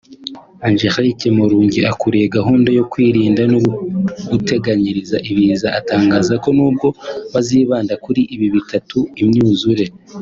Angélique Murungi ukuriye gahunda yo kwirinda no guteganyiriza ibiza atangaza ko n’ubwo bazibanda kuri ibi bitatu (imyuzure